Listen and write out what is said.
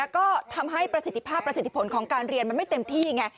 ก็ทำให้ประสิทธิภาพประสิทธิผลของการเรียนมันไม่เต็มที่ไง